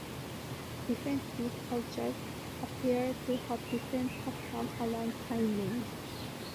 Different deaf cultures appear to have different customs around sign names.